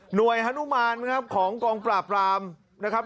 ฮานุมานนะครับของกองปราบรามนะครับ